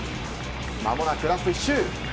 まもなくラスト１周。